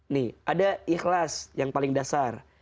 nih ada ikhlas yang paling dasar